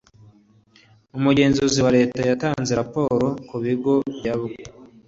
umugenzuzi wa leta yatanze raporo kubigo byagobye